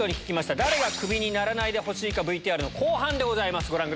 誰がクビにならないでほしいか、ＶＴＲの後半でございます。